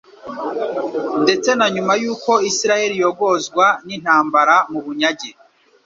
Ndetse na nyuma y'uko Isirayeli iyogozwa n'intambara mu bunyage,